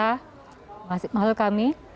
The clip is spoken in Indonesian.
terima kasih mahal kami